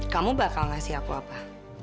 kamu bakal ngasih aku apa apa